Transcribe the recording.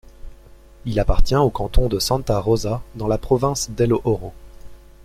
Il appartient au canton de Santa Rosa, dans la province d'El Oro.